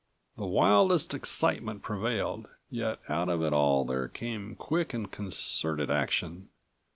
The wildest excitement prevailed, yet out of it all there came quick and concerted action.